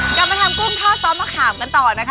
กลับมาทำกุ้งทอดซอสมะขามกันต่อนะคะ